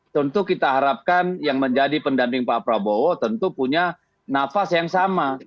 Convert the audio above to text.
tentu kita harapkan yang menjadi pendamping pak prabowo tentu punya nafas yang sama